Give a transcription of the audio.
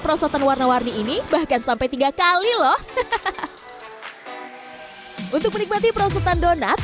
perosotan warna warni ini bahkan sampai tiga kali loh hahaha untuk menikmati perosotan donat